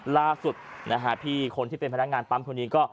ล่าสุดนะฮะพี่คนที่เป็นพนักงานปั๊มคนนี้ก็